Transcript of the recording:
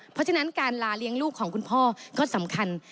เพราะฉะนั้นการลาเลี้ยงลูกของคุณพ่อก็สำคัญ